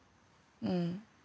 うん。